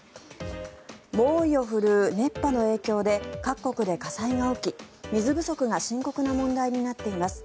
猛威を振るう熱波の影響で各国で火災が起き水不足が深刻な問題になっています。